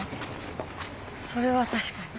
それは確かに。